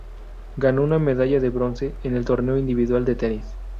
Ganó una medalla de bronce en el tornero individual de tenis.